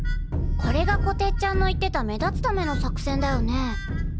これがこてっちゃんの言ってた目立つための作戦だよね。